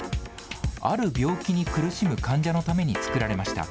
ある病気に苦しむ患者のために作られました。